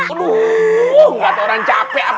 aduh gak tau orang capek